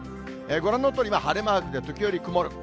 ご覧のとおり晴れマークで時折曇る。